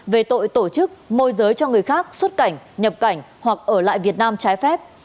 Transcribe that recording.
về tội tổ chức môi giới cho người khác xuất cảnh nhập cảnh hoặc ở lại việt nam trái phép